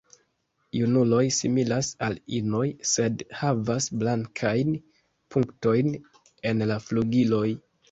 Junuloj similas al inoj, sed havas blankajn punktojn en la flugiloj.